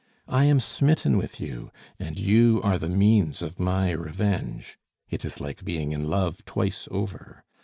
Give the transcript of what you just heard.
I am smitten with you, and you are the means of my revenge; it is like being in love twice over.